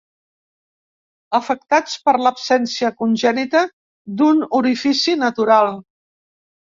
Afectats per l'absència congènita d'un orifici natural.